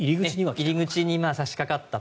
入り口に差しかかったと。